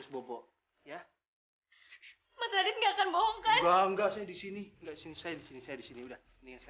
saya mau bunuh diri di depan mas